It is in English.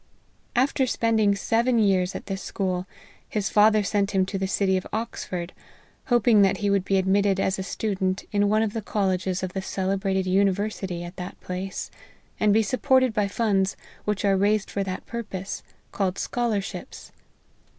After spend ing seven years at this school, his father sent him to the city of Oxford, hoping that he would be admitted as a student in one of the colleges of the celebrated university at that place, and be supported by funds which are raised for that purpose, called scholarships.